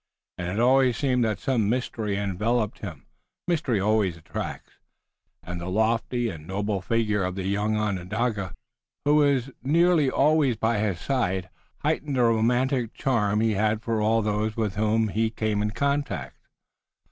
It also seemed that some mystery enveloped him mystery always attracts and the lofty and noble figure of the young Onondaga, who was nearly always by his side, heightened the romantic charm he had for all those with whom he came in contact.